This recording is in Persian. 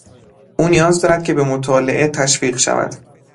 او نیاز دارد که به مطالعه تشویق شود.